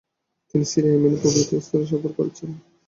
তিনি Syria, Yemen প্রভৃতি স্থানে সফর করেছেন।